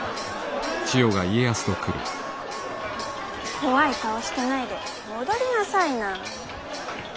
怖い顔してないで踊りなさいな。